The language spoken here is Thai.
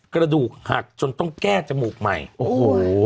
กระดูกหักจนต้องแก้จมูกใหม่โอ้โห